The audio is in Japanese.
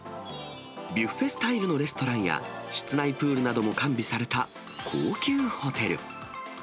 ビュッフェスタイルのレストランや室内プールなども完備された高級ホテル。